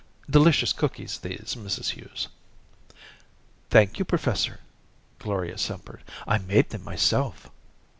Delicious cookies these, Mrs. Hughes." "Thank you, Professor," Gloria simpered. "I made them myself."